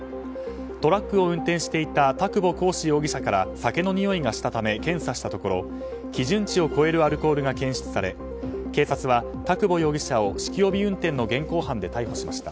トラックを運転していた田窪紘之容疑者から酒のにおいがしたため検査したところ基準値を超えるアルコールが検出され、警察は田窪容疑者を酒気帯び運転の現行犯で逮捕しました。